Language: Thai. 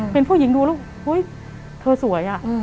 เป็นผู้หญิงดูแล้วอุ๊ยเธอสวยอะ